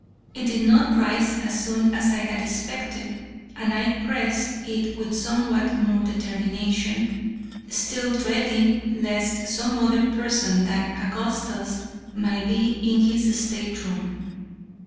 It did not rise as soon as I had expected, and I pressed it with somewhat more determination, still dreading lest some other person than Augustus might be in his state room.